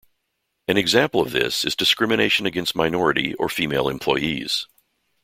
An example of this is discrimination against minority or female employees.